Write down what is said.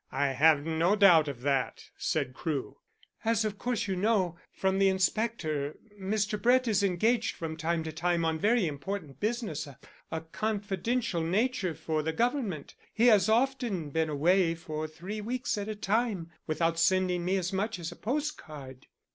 "I have no doubt of that," said Crewe. "As of course you know, from the inspector, Mr. Brett is engaged from time to time on very important business of a confidential nature for the Government. He has often been away for three weeks at a time without sending me as much as a postcard."